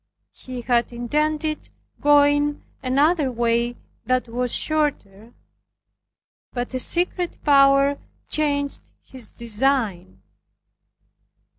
He had intended going another way that was shorter, but a secret power changed his design.